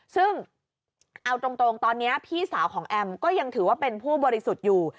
ซึ่งเอาตรงตอนนี้พี่สาวของแอมก็ยังถือว่าเป็นผู้บริสุทธิ์อยู่